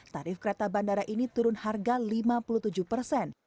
tarif kereta bandara ini turun harga lima puluh tujuh persen